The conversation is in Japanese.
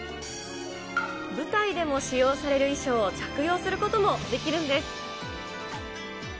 舞台でも使用される衣装を着用することもできるんです。